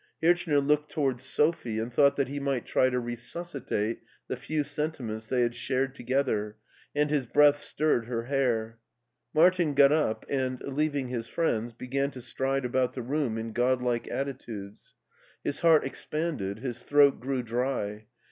Hirchner looked towards Sophie and thought that he might try to resuscitate the few sentiments they had shared together, and his breath stirred her hair. Martin got up, and, leaving his friends, began to stride about the. room in godlike attitudes. His heart expanded, his throat grew dry.